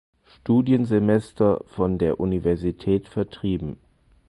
Studiensemester von der Universität vertrieben.